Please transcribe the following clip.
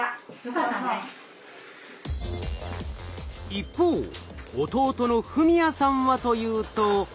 一方弟の史哉さんはというと。